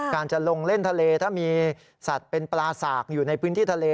การจะลงเล่นทะเลถ้ามีสัตว์เป็นปลาสากอยู่ในพื้นที่ทะเล